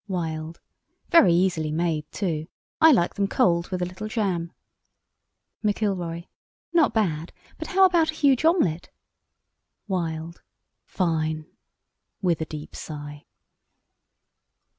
"WILD: 'Very easily made, too. I like them cold with a little jam.' "McILROY: 'Not bad; but how about a huge omelette?' "WILD: 'Fine!' (with a deep sigh).